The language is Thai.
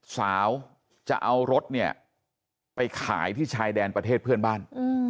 สาวจะเอารถเนี่ยไปขายที่ชายแดนประเทศเพื่อนบ้าน